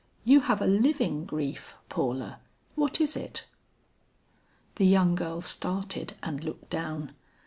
You have a living grief, Paula, what is it?" The young girl started and looked down.